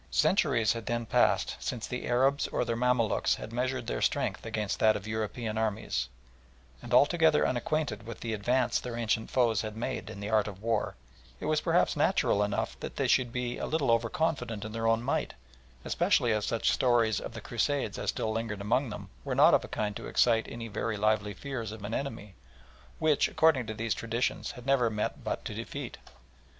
Centuries had then passed since the Arabs or their Mamaluks had measured their strength against that of European armies, and altogether unacquainted with the advance their ancient foes had made in the art of war, it was perhaps natural enough that they should be a little over confident in their own might, especially as such stories of the Crusades as still lingered among them were not of a kind to excite any very lively fears of an enemy that, according to these traditions, they had never met but to defeat.